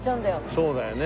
そうだよね。